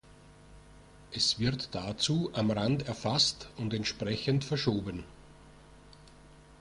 Es wird dazu am Rand erfasst und entsprechend verschoben.